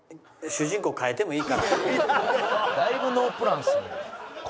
だいぶノープランですね。